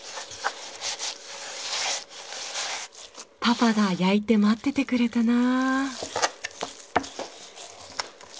パパが焼いて待っててくれたな。